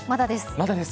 まだです？